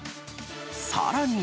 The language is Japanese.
さらに。